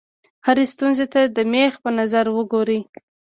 هرې ستونزې ته د مېخ په نظر وګورئ.